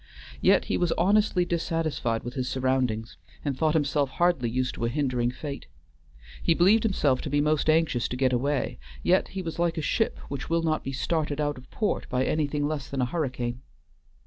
Yet he was honestly dissatisfied with his surroundings, and thought himself hardly used by a hindering fate. He believed himself to be most anxious to get away, yet he was like a ship which will not be started out of port by anything less than a hurricane.